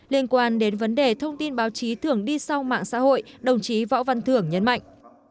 liên quan đến vấn đề thông tin báo chí thường đi sau mạng xã hội đồng chí võ văn thưởng nhấn mạnh